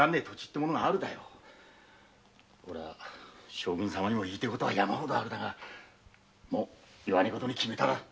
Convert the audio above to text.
将軍様にも言いてぇことは山ほどあるだが言わねぇことに決めた。